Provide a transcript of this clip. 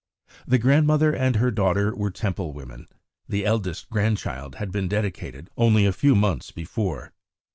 The grandmother and her daughter were Temple women, the eldest grandchild had been dedicated only a few months before.